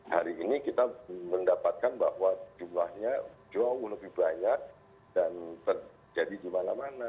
hari ini kita mendapatkan bahwa jumlahnya jauh lebih banyak dan terjadi di mana mana